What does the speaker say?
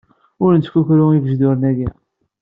Ur nettkukru igejduren agi.